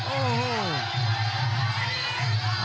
โอ้โห